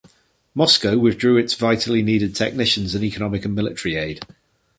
Moscow withdrew its vitally needed technicians and economic and military aid.